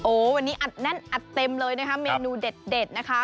โอ้โหวันนี้อัดแน่นอัดเต็มเลยนะคะเมนูเด็ดนะคะ